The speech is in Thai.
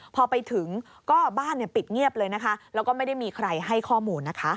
พอไปถึงก็บ้านปิดเงียบเลยนะคะแล้วก็ไม่ได้มีใครให้ข้อมูลนะคะ